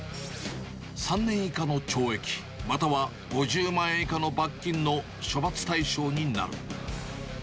３年以下の懲役または５０万円以下の罰金の処罰対象になる。